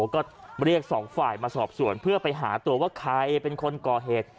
ก็เรียกสองฝ่ายมาสอบส่วนเพื่อไปหาตัวว่าใครเป็นคนก่อเหตุ